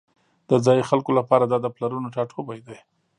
د ځایی خلکو لپاره دا د پلرونو ټاټوبی دی